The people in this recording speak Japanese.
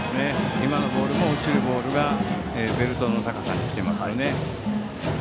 今のボールも落ちるボールがベルトの高さに来ていますね。